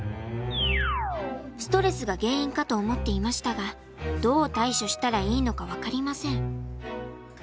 ストレスが原因かと思っていましたがどう対処したらいいのか分かりません。